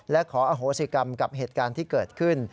และขออโหสิกรรมกับเหตุการณ์ที่เกิดขึ้น